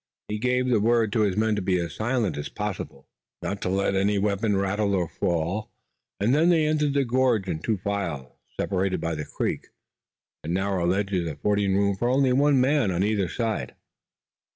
He gave the word to his men to be as silent as possible, not to let any weapon rattle or fall, and then they entered the gorge in two files separated by the creek, the narrow ledges affording room for only one man on either side.